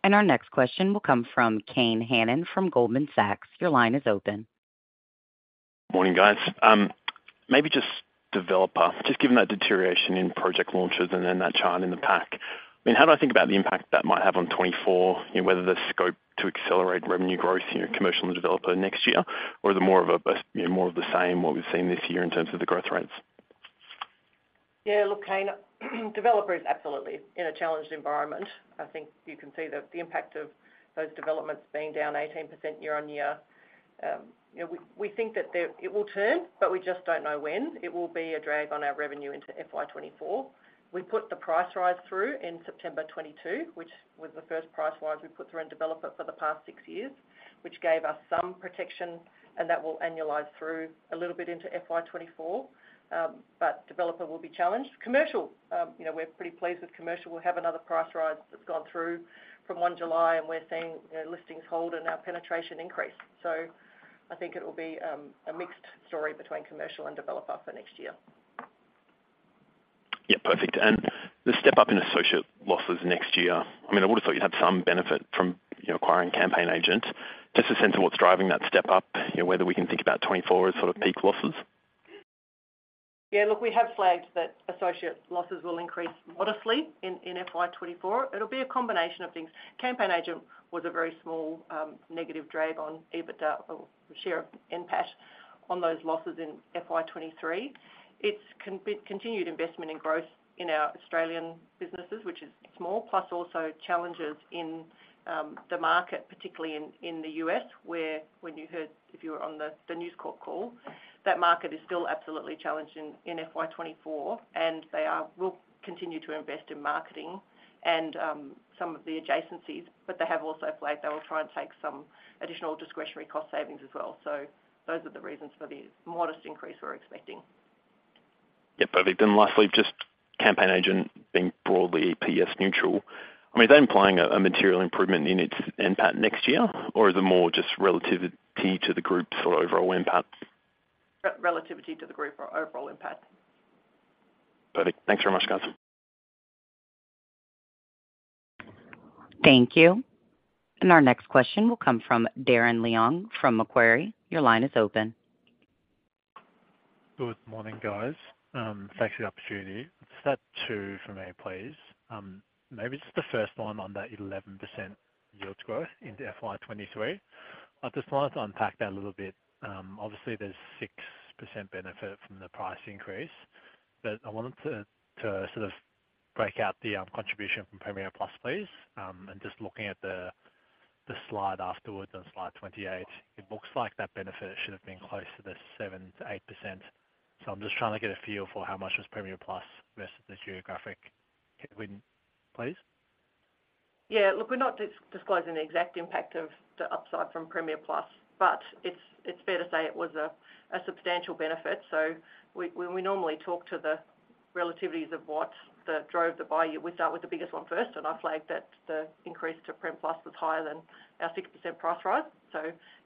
Our next question will come from Kane Hannan, from Goldman Sachs. Your line is open. Morning, guys. Maybe just developer, just given that deterioration in project launches and then that chart in the pack, I mean, how do I think about the impact that might have on 2024? You know, whether the scope to accelerate revenue growth in your commercial and developer next year, or is it more of a, you know, more of the same, what we've seen this year in terms of the growth rates? Yeah, look, Kane, developer is absolutely in a challenged environment. I think you can see the impact of those developments being down 18% year-on-year. You know, we, we think that it will turn, we just don't know when. It will be a drag on our revenue into FY 2024. We put the price rise through in September 2022, which was the first price rise we put through in developer for the past six years, which gave us some protection, and that will annualize through a little bit into FY 2024. Developer will be challenged. Commercial, you know, we're pretty pleased with commercial. We'll have another price rise that's gone through from 1 July, and we're seeing listings hold and our penetration increase. I think it will be a mixed story between commercial and developer for next year. Yeah, perfect. The step up in associate losses next year, I mean, I would have thought you'd have some benefit from, you know, acquiring Campaign Agent. Just a sense of what's driving that step up and whether we can think about 2024 as sort of peak losses? We have flagged that associate losses will increase modestly in FY24. It'll be a combination of things. Campaign Agent was a very small negative drag on EBITDA or share of NPAT on those losses in FY23. It's continued investment in growth in our Australian businesses, which is small, plus also challenges in the market, particularly in the U.S., where when you heard if you were on the News Corp call, that market is still absolutely challenged in FY24, and they will continue to invest in marketing and some of the adjacencies. They have also flagged they will try and take some additional discretionary cost savings as well. Those are the reasons for the modest increase we're expecting. Yeah, perfect. Lastly, just Campaign Agent being broadly P&L neutral. I mean, are they implying a material improvement in its NPAT next year, or is it more just relativity to the group's sort of overall impact? Relativity to the group or overall impact. Perfect. Thanks very much, guys. Thank you. Our next question will come from Darren Leung from Macquarie. Your line is open. Good morning, guys. thanks for the opportunity. Set two for me, please. maybe just the first one on that 11% yield growth in FY2023. I'd just like to unpack that a little bit. obviously, there's 6% benefit from the price increase, but I wanted to, to sort of break out the, contribution from Premier Plus, please. and just looking at the, the slide afterwards, on slide 28, it looks like that benefit should have been close to the 7%-8%. I'm just trying to get a feel for how much was Premier Plus versus the geographic headwind, please. Look, we're not disclosing the exact impact of the upside from Premier Plus, but it's, it's fair to say it was a, a substantial benefit. We, when we normally talk to the relativities of what the drove the buy, we start with the biggest one first, and I flagged that the increase to Prem Plus was higher than our 6% price rise.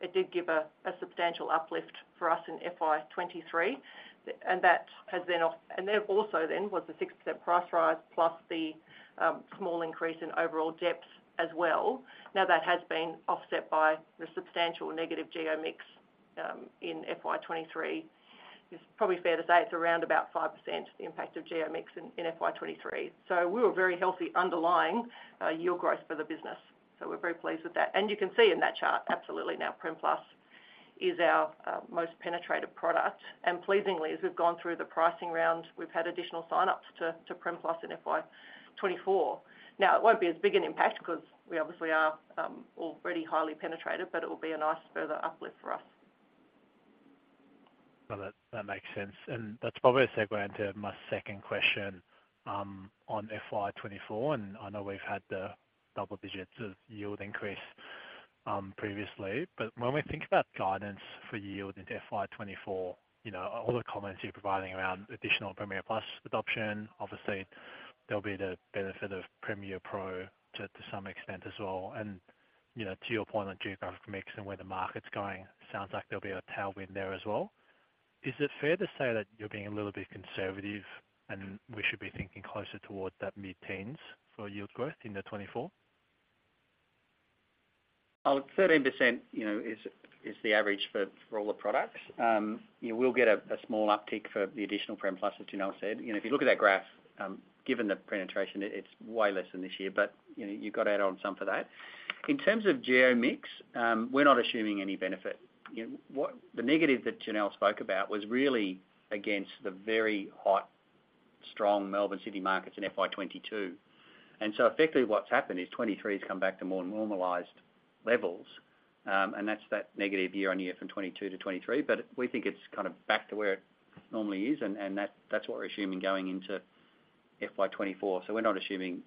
It did give a, a substantial uplift for us in FY2023, and that has been and then also then was the 6% price rise plus the small increase in overall depth as well. That has been offset by the substantial negative Geo mix in FY2023. It's probably fair to say it's around about 5%, the impact of Geo mix in, in FY2023. We were very healthy underlying yield growth for the business, so we're very pleased with that. You can see in that chart absolutely now, Prem Plus is our most penetrated product, and pleasingly, as we've gone through the pricing round, we've had additional sign-ups to, to Prem Plus in FY 2024. It won't be as big an impact because we obviously are already highly penetrated, but it will be a nice further uplift for us. Well, that, that makes sense, and that's probably a segue into my second question, on FY 2024, and I know we've had the double digits of yield increase previously, but when we think about guidance for yield in FY 2024, you know, all the comments you're providing around additional Premier Plus adoption, obviously there'll be the benefit of Premier Pro to, to some extent as well. And, you know, to your point on geographic mix and where the market's going, sounds like there'll be a tailwind there as well. Is it fair to say that you're being a little bit conservative, and we should be thinking closer toward that mid-teens for yield growth in 2024? Well, 13%, you know, is, is the average for, for all the products. You will get a, a small uptick for the additional Premier Plus, as Janelle said. You know, if you look at that graph, given the penetration, it's way less than this year, but, you know, you've got to add on some for that. In terms of geo mix, we're not assuming any benefit. You know, the negative that Janelle spoke about was really against the very hot, strong Melbourne markets in FY 2022. Effectively, what's happened is 2023 has come back to more normalized levels, and that's that negative year-on-year from 2022 to 2023. We think it's kind of back to where it normally is, and, and that, that's what we're assuming going into FY 2024. We're not assuming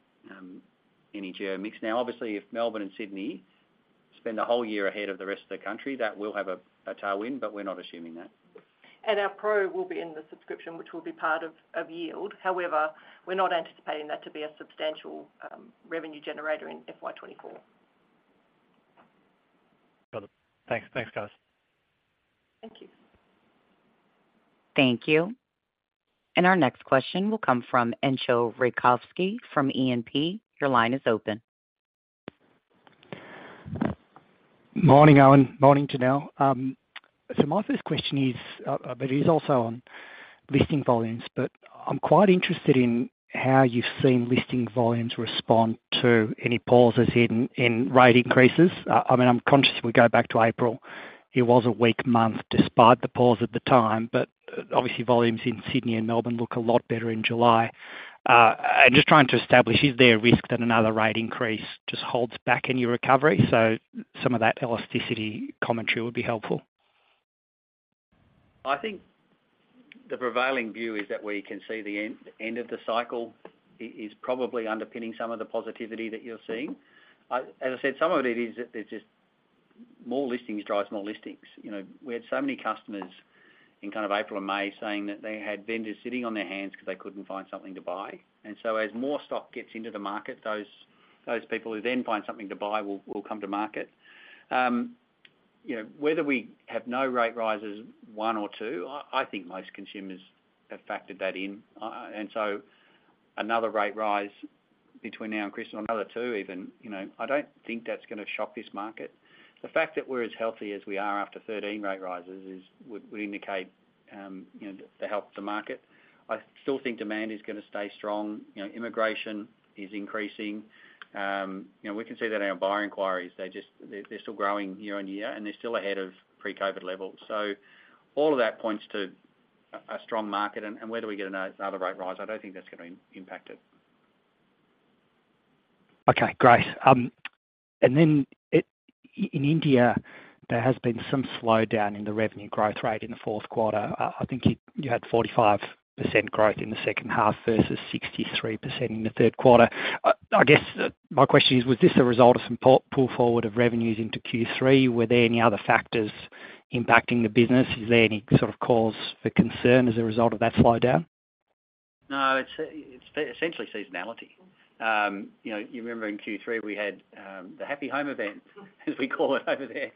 any geo mix. Now, obviously, if Melbourne and Sydney spend 1 whole year ahead of the rest of the country, that will have a tailwind. We're not assuming that. Our Pro will be in the subscription, which will be part of, of yield. However, we're not anticipating that to be a substantial revenue generator in FY 2024. Got it. Thanks. Thanks, guys. Thank you. Thank you. Our next question will come from Entcho Raykovski from E&P. Your line is open. Morning, Owen. Morning, Janelle. My first question is, but it is also on listing volumes. I'm quite interested in how you've seen listing volumes respond to any pauses in, in rate increases. I mean, I'm conscious we go back to April. It was a weak month despite the pause at the time, but obviously volumes in Sydney and Melbourne look a lot better in July. Just trying to establish, is there a risk that another rate increase just holds back any recovery? Some of that elasticity commentary would be helpful. I think the prevailing view is that we can see the end, the end of the cycle is, is probably underpinning some of the positivity that you're seeing. As I said, some of it is that there's More listings drives more listings. You know, we had so many customers in kind of April and May saying that they had vendors sitting on their hands because they couldn't find something to buy. So as more stock gets into the market, those, those people who then find something to buy will, will come to market. You know, whether we have no rate rises, one or two, I, I think most consumers have factored that in. So another rate rise between now and Christmas, another two even, you know, I don't think that's gonna shock this market. The fact that we're as healthy as we are after 13 rate rises is, would, would indicate, you know, the health of the market. I still think demand is gonna stay strong. You know, immigration is increasing. You know, we can see that in our buyer inquiries. They're, they're still growing year-on-year, and they're still ahead of pre-COVID levels. All of that points to a, a strong market, and, and whether we get another, another rate rise, I don't think that's gonna impact it. Okay, great. Then, in India, there has been some slowdown in the revenue growth rate in Q4. I think you, you had 45% growth in the second half versus 63% in Q3. I, I guess, my question is, was this a result of some pull forward of revenues into Q3? Were there any other factors impacting the business? Is there any sort of cause for concern as a result of that slowdown? No, it's, it's essentially seasonality. You know, you remember in Q3, we had the Happy Home event, as we call it over there,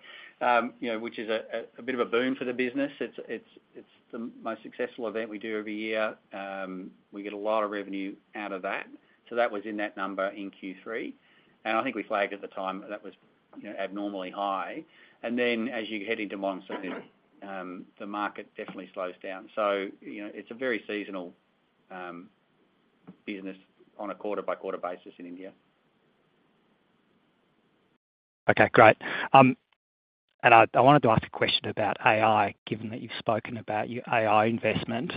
you know, which is a, a, a bit of a boom for the business. It's, it's, it's the most successful event we do every year. We get a lot of revenue out of that. That was in that number in Q3, and I think we flagged at the time that was, you know, abnormally high. Then, as you head into monsoon, the market definitely slows down. You know, it's a very seasonal business on a quarter-by-quarter basis in India. Okay, great. I, I wanted to ask a question about AI, given that you've spoken about your AI investment.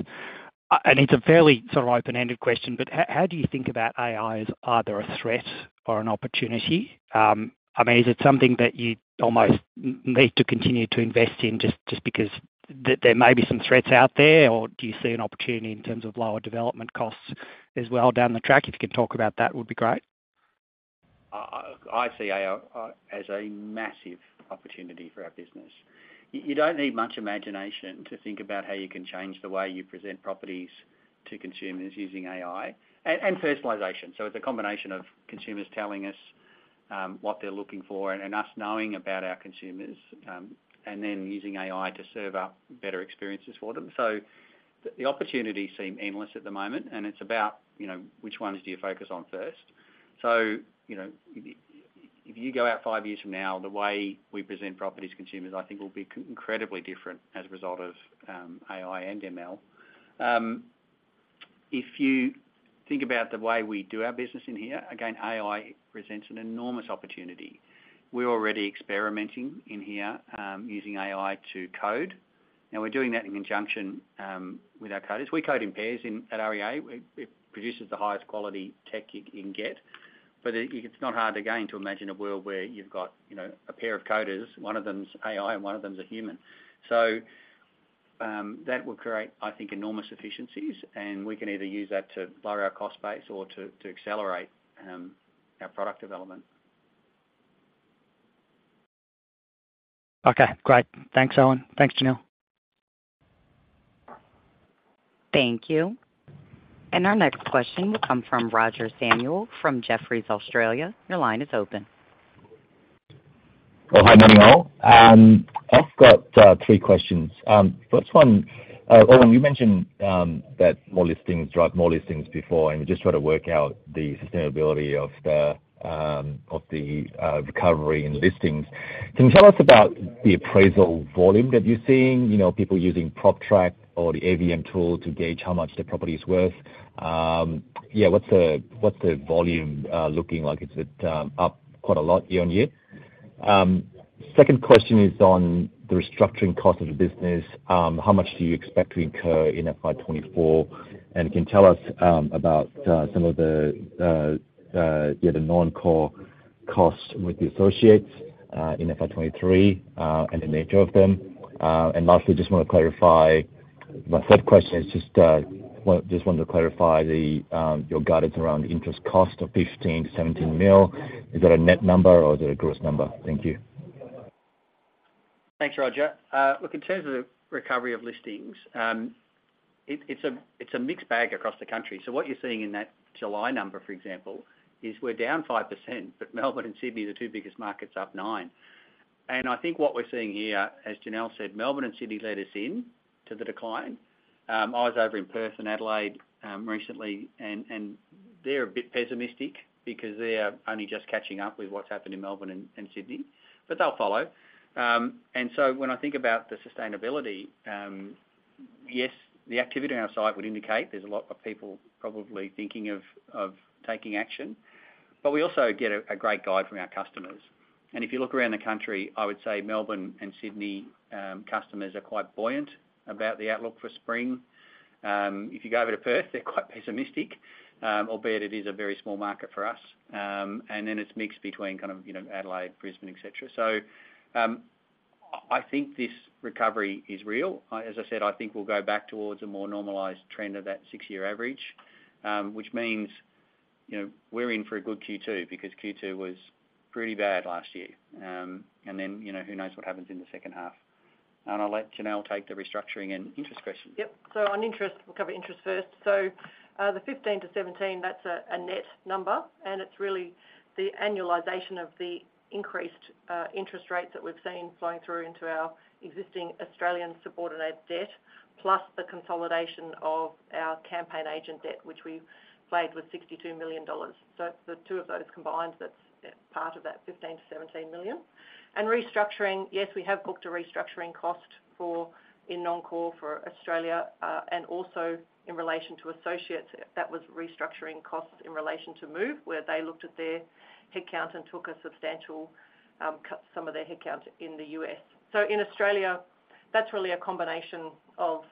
It's a fairly sort of open-ended question, but how, how do you think about AI as either a threat or an opportunity? I mean, is it something that you almost need to continue to invest in just, just because there, there may be some threats out there? Do you see an opportunity in terms of lower development costs as well down the track? If you can talk about that would be great. I see AI as a massive opportunity for our business. You don't need much imagination to think about how you can change the way you present properties to consumers using AI and personalization. It's a combination of consumers telling us what they're looking for and us knowing about our consumers, and then using AI to serve up better experiences for them. The opportunities seem endless at the moment, and it's about, you know, which ones do you focus on first. You know, if you go out five years from now, the way we present properties to consumers, I think will be incredibly different as a result of AI and ML. If you think about the way we do our business in here, again, AI presents an enormous opportunity. We're already experimenting in here, using AI to code, and we're doing that in conjunction with our coders. We code in pairs at REA. It, it produces the highest quality tech you can get, but it, it's not hard, again, to imagine a world where you've got, you know, a pair of coders, one of them's AI, and one of them's a human. That will create, I think, enormous efficiencies, and we can either use that to lower our cost base or to, to accelerate our product development. Okay, great. Thanks, Owen. Thanks, Janelle. Thank you. Our next question will come from Roger Samuel, from Jefferies, Australia. Your line is open. Well, hi, good morning, all. I've got three questions. First one, Owen, you mentioned that more listings drive more listings before, and we're just trying to work out the sustainability of the recovery in listings. Can you tell us about the appraisal volume that you're seeing? You know, people using PropTrack or the AVM tool to gauge how much their property is worth. Yeah, what's the, what's the volume looking like? Is it up quite a lot year-over-year? Second question is on the restructuring cost of the business. How much do you expect to incur in FY24? Can you tell us about some of the, yeah, the non-core costs with the associates in FY23 and the nature of them? Lastly, just want to clarify... My third question is just wanted to clarify the your guidance around the interest cost of 15 million-17 million. Is that a net number or is it a gross number? Thank you. Thanks, Roger. look, in terms of the recovery of listings, it, it's a, it's a mixed bag across the country. What you're seeing in that July number, for example, is we're down 5%, but Melbourne and Sydney, the two biggest markets, are up 9%. I think what we're seeing here, as Janelle said, Melbourne and Sydney led us in to the decline. I was over in Perth and Adelaide, recently, and, and they're a bit pessimistic because they are only just catching up with what's happened in Melbourne and, and Sydney, but they'll follow. When I think about the sustainability, yes, the activity on our site would indicate there's a lot of people probably thinking of, of taking action, but we also get a, a great guide from our customers. If you look around the country, I would say Melbourne and Sydney, customers are quite buoyant about the outlook for spring. If you go over to Perth, they're quite pessimistic, albeit it is a very small market for us. Then it's mixed between kind of, you know, Adelaide, Brisbane, et cetera. I, I think this recovery is real. As I said, I think we'll go back towards a more normalized trend of that six-year average, you know, we're in for a good Q2, because Q2 was pretty bad last year. Then, you know, who knows what happens in the second half? I'll let Janelle take the restructuring and interest question. Yep. On interest, we'll cover interest first. The 15 million-17 million, that's a net number, and it's really the annualization of the increased interest rates that we've seen flowing through into our existing Australian subordinate debt, plus the consolidation of our Campaign Agent debt, which we flagged with 62 million dollars. The two of those combined, that's part of that 15 million-17 million. Restructuring, yes, we have booked a restructuring cost for-- in non-core for Australia, and also in relation to associates. That was restructuring costs in relation to Move, where they looked at their headcount and took a substantial cut some of their headcount in the U.S. In Australia, that's really a combination of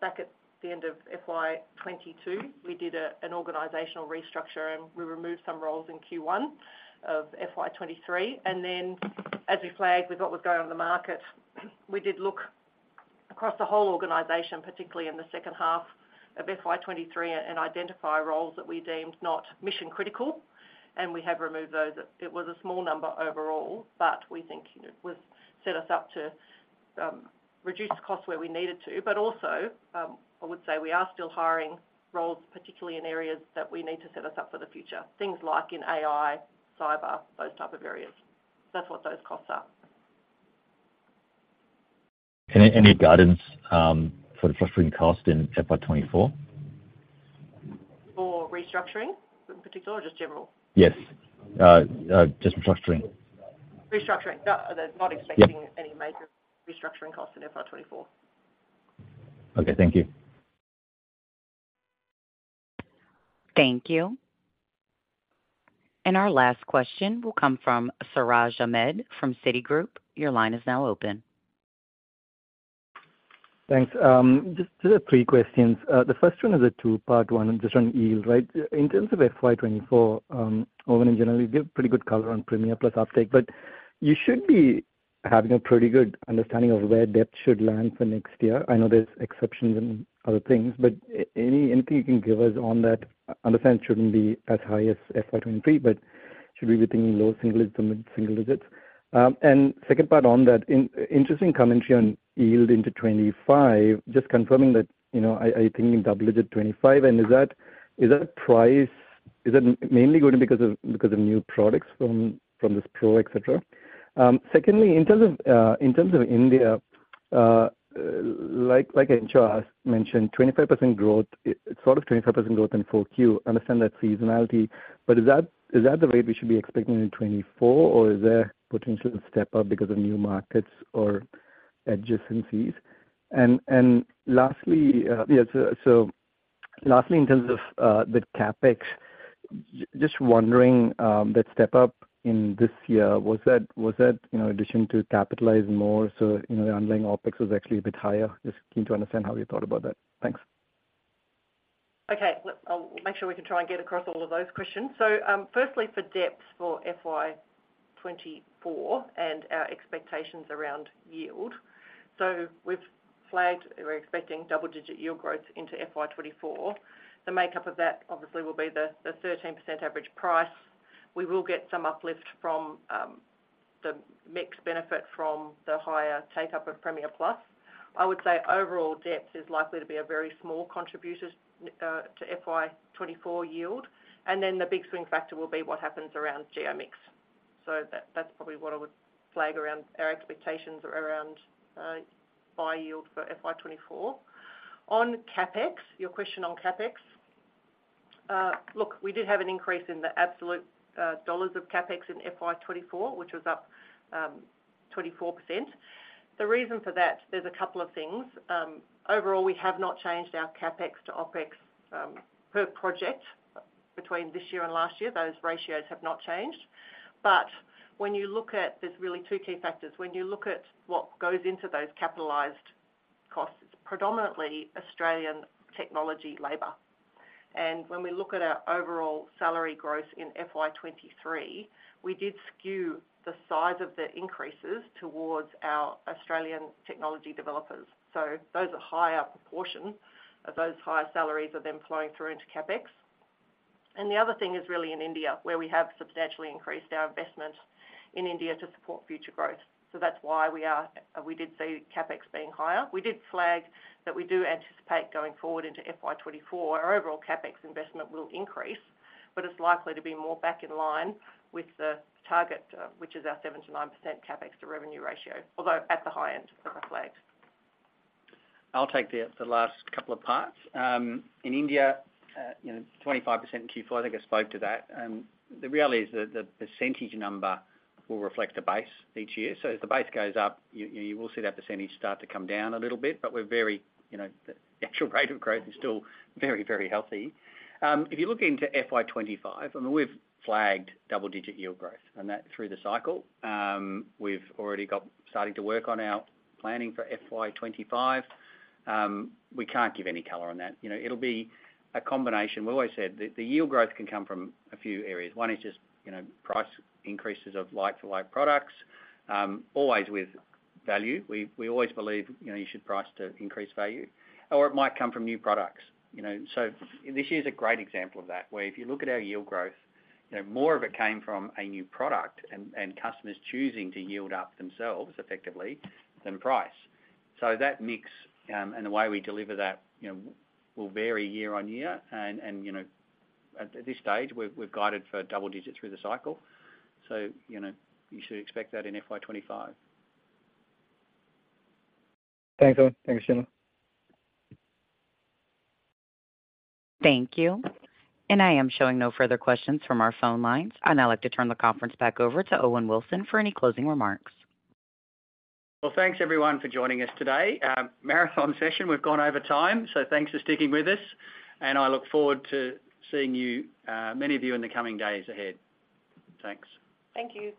back at the end of FY22, we did a, an organizational restructure, and we removed some roles in Q1 FY23. As we flagged, with what was going on in the market, we did look across the whole organization, particularly in the second half FY23, and identify roles that we deemed not mission critical, and we have removed those. It was a small number overall, but we think it would set us up to reduce costs where we needed to. I would say we are still hiring roles, particularly in areas that we need to set us up for the future. Things like in AI, cyber, those type of areas. That's what those costs are. Any, any guidance, for the restructuring cost in FY2024? For restructuring in particular, or just general? Yes. just restructuring. Restructuring. No, they're not expecting- Yep... any major restructuring costs in FY 2024. Okay, thank you. Thank you. Our last question will come from Siraj Ahmed from Citigroup. Your line is now open. Thanks. Just three questions. The first one is a two-part one, just on yield, right? In terms of FY24, over and generally, give pretty good color on Premier Plus uptake, but you should be having a pretty good understanding of where depth should land for next year. I know there's exceptions and other things, but any anything you can give us on that, understand it shouldn't be as high as FY23, but should we be thinking low single digits to mid-single digits? Second part on that, interesting commentary on yield into 25, just confirming that, you know, I, I think you double digit 25, and is that, is that price, is that mainly going because of, because of new products from, from this Pro, et cetera? Secondly, in terms of India, HR mentioned, 25% growth, sort of 25% growth in full Q. Understand that seasonality, but is that, is that the rate we should be expecting in 2024, or is there potential to step up because of new markets or adjacencies? Lastly, in terms of the CapEx, just wondering, that step up in this year, was that, was that, you know, in addition to capitalizing more, so, you know, the underlying OpEx was actually a bit higher? Just keen to understand how you thought about that. Thanks. Okay, let-- I'll make sure we can try and get across all of those questions. Firstly, for depth for FY2024 and our expectations around yield. We've flagged we're expecting double-digit yield growth into FY2024. The makeup of that obviously will be the, the 13% average price. We will get some uplift from, the mix benefit from the higher takeup of Premier Plus. I would say overall depth is likely to be a very small contributor, to FY2024 yield, and then the big swing factor will be what happens around Geo mix. That, that's probably what I would flag around our expectations around, buy yield for FY2024. On CapEx, your question on CapEx. Look, we did have an increase in the absolute, dollars of CapEx in FY2024, which was up, 24%. The reason for that, there's a couple of things. Overall, we have not changed our CapEx to OpEx, per project between this year and last year. Those ratios have not changed. When you look at, there's really two key factors. When you look at what goes into those capitalized costs, it's predominantly Australian technology labor. When we look at our overall salary growth in FY 23, we did skew the size of the increases towards our Australian technology developers. Those are higher proportions of those higher salaries are then flowing through into CapEx. The other thing is really in India, where we have substantially increased our investment in India to support future growth. That's why we did see CapEx being higher. We did flag that we do anticipate going forward into FY 2024, our overall CapEx investment will increase, but it's likely to be more back in line with the target, which is our 7%-9% CapEx to revenue ratio, although at the high end, as I flagged. I'll take the, the last couple of parts. In India, you know, 25% in Q4, I think I spoke to that. The reality is that the percentage number will reflect a base each year. As the base goes up, you, you will see that percentage start to come down a little bit, but we're very, you know, the actual rate of growth is still very, very healthy. If you look into FY25, I mean, we've flagged double-digit yield growth, and that through the cycle, we've already got starting to work on our planning for FY25. We can't give any color on that. You know, it'll be a combination. We've always said the, the yield growth can come from a few areas. One is just, you know, price increases of like-for-like products, always with value. We, we always believe, you know, you should price to increase value, or it might come from new products, you know? This year is a great example of that, where if you look at our yield growth, you know, more of it came from a new product and, and customers choosing to yield up themselves effectively than price. That mix, and the way we deliver that, you know, will vary year-on-year, and, and, you know, at this stage, we've, we've guided for double digits through the cycle. You know, you should expect that in FY 2025. Thanks, Owen. Thanks, Janelle. Thank you. I am showing no further questions from our phone lines. I'd now like to turn the conference back over to Owen Wilson for any closing remarks. Well, thanks everyone for joining us today. Marathon session, we've gone over time, so thanks for sticking with us, and I look forward to seeing you, many of you in the coming days ahead. Thanks. Thank you.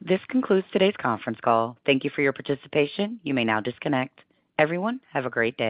This concludes today's conference call. Thank you for your participation. You may now disconnect. Everyone, have a great day.